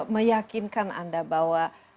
meyakinkan anda bahwa